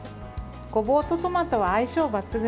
ごぼうとトマトは相性抜群。